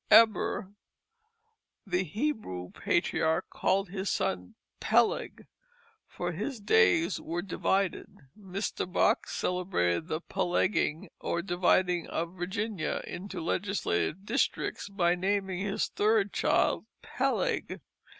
Eber, the Hebrew patriarch, called his son Peleg, "for his days were divided." Mr. Buck celebrated the Pelegging, or dividing of Virginia, into legislative districts by naming his third child Peleg.